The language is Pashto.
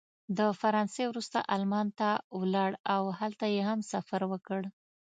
د فرانسې وروسته المان ته ولاړ او هلته یې هم سفر وکړ.